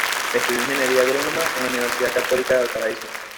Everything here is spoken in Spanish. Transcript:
Estudió ingeniería agrónoma en la Universidad Católica de Valparaíso.